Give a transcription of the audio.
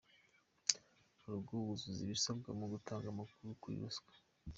org wuzuze ibisabwa mu gutanga amakuru kuri ruswa.